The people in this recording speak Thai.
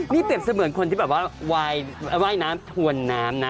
นี่เปรียบเสมือนคนที่แบบว่ายน้ำถวนน้ำนะ